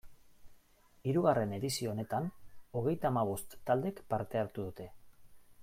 Hirugarren edizio honetan, hogeita hamabost taldek parte hartu dute.